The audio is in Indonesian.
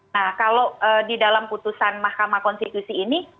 nah kalau di dalam putusan mahkamah konstitusi ini